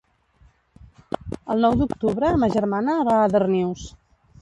El nou d'octubre ma germana va a Darnius.